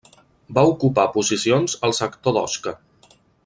Va ocupar posicions al sector d'Osca.